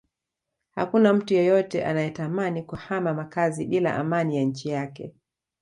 Hakuna mtu yeyote anayetamani kuhama makazi bila amani ya nchi yake